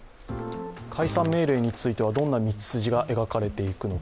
解散命令についてはどんな道筋が描かれていくのか